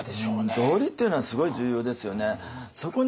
道理っていうのはすごい重要ですよね。